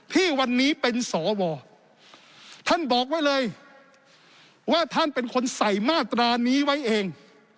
ที่วันนี้เป็นสวท่านบอกไว้เลยว่าท่านเป็นคนใส่มาตรานี้ไว้เอง